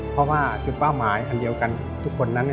เพราะว่าจุดเป้าหมายอันเดียวกันทุกคนนั้น